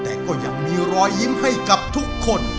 แต่ก็ยังมีรอยยิ้มให้กับทุกคน